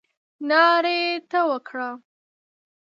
ناړي تو کړه !